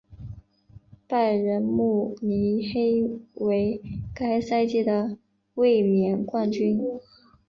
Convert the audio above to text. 拜仁慕尼黑为该赛季的卫冕冠军。